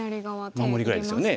守りぐらいですよね。